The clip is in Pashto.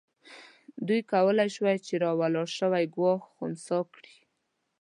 دوی کولای شوای چې راولاړ شوی ګواښ خنثی کړي.